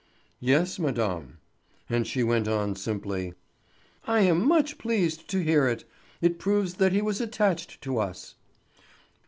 "Yes, madame." And she went on simply: "I am much pleased to hear it; it proves that he was attached to us."